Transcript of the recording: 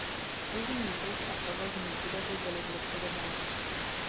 Těžní věž a provozní budovy byly zlikvidovány.